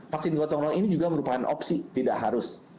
vaksin gotong royong ini juga merupakan opsi tidak harus